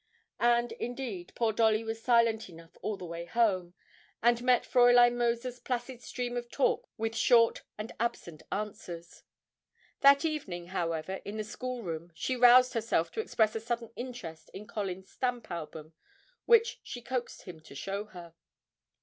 And indeed poor Dolly was silent enough all the way home, and met Fräulein Moser's placid stream of talk with short and absent answers. That evening, however, in the schoolroom, she roused herself to express a sudden interest in Colin's stamp album, which she coaxed him to show her.